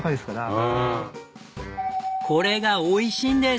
これがおいしいんです。